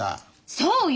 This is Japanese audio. そうよ。